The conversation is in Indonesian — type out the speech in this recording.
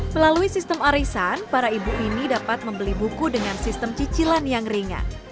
melalui sistem arisan para ibu ini dapat membeli buku dengan sistem cicilan yang ringan